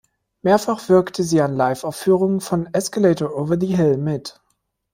Mehrfach wirkte sie an Live-Aufführungen von "Escalator Over the Hill" mit.